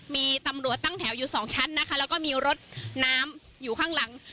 มีตำรวจตั้งแถวอยู่สองชั้นนะคะแล้วก็มีรถน้ำอยู่ข้างหลัง